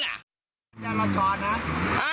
อยากมาชอบนะ